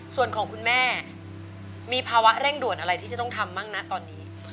ส่วนของคุณแม่มีภาวะเร่งด่วนอะไรที่จะต้องทำบ้างนะตอนนี้